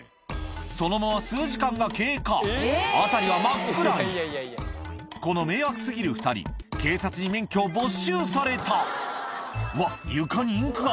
そのまま数時間が経過辺りは真っ暗にこの迷惑過ぎる２人警察に免許を没収された「うわ床にインクが！